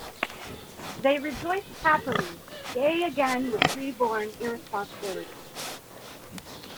They rejoiced happily, gay again with reborn irresponsibility.